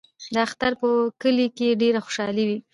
د اختر ورځ په کلي کې ډېره خوشحاله وي.